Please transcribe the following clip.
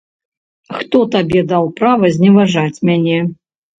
Хто табе даў права зневажаць мяне?